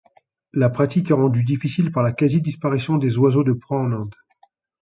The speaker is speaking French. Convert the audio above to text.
La pratique est rendue difficile par la quasi-disparition des oiseaux de proie en Inde.